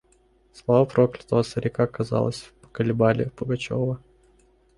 Слова проклятого старика, казалось, поколебали Пугачева.